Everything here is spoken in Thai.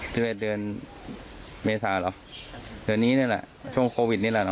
สิบเอ็ดเดือนเมษาหรอครับเดือนนี้นี่แหละช่วงโควิดนี่แหละเนอะ